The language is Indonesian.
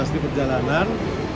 dua belas trip perjalanan